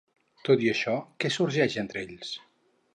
Tot i això, què sorgeix entre ells?